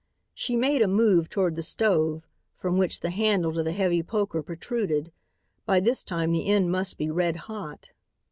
She made a move toward the stove, from which the handle to the heavy poker protruded. By this time the end must be red hot.